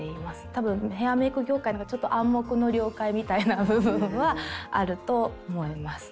多分ヘアメイク業界の暗黙の了解みたいな部分はあると思います。